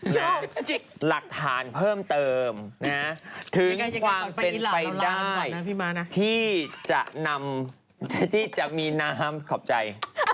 จากหลักฐานเพิ่มเติมนะถึงความเป็นไปได้ที่จะนำที่จะมีน้ำขอบใจ